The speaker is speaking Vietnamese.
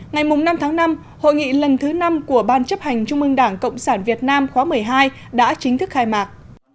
ngày năm tháng năm hội nghị lần thứ năm của ban chấp hành trung ương đảng cộng sản việt nam khóa một mươi hai đã chính thức khai mạc